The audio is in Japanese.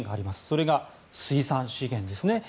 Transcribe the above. それが水産資源ですね。